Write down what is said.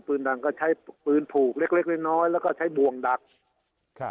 ดังก็ใช้ปืนผูกเล็กเล็กน้อยน้อยแล้วก็ใช้บ่วงดักครับ